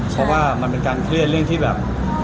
เพราะว่ามันเป็นการเครียดเรื่องที่แบบ